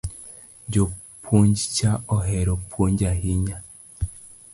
Japuonj cha ohero puonjo ahinya